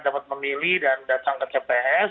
dapat memilih dan datang ke tps